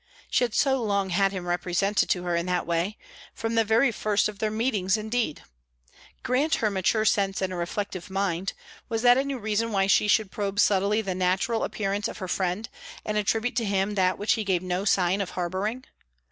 She had so long had him represented to her in that way from the very first of their meetings, indeed. Grant her mature sense and a reflective mind, was that any reason why she should probe subtly the natural appearance of her friend, and attribute to him that which he gave no sign of harbouring?